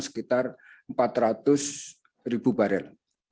sekitar empat ratus ribu barel